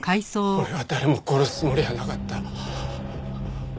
俺は誰も殺すつもりはなかった。